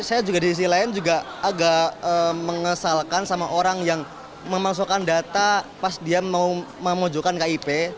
saya juga di sisi lain juga agak mengesalkan sama orang yang memasukkan data pas dia mau memojokkan kip